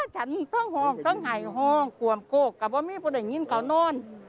ฉันต้องห้องต้องหายห้องความโกรธกับว่าไม่พอได้ยินกับโน้น